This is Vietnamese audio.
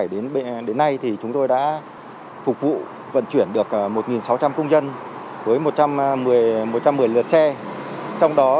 đến đến nay thì chúng tôi đã phục vụ vận chuyển được một sáu trăm linh công dân với một trăm một mươi một trăm một mươi lượt xe trong đó